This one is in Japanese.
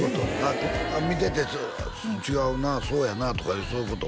「違うなそうやな」とかそういうこと？